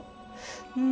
うん。